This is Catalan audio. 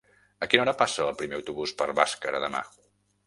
A quina hora passa el primer autobús per Bàscara demà?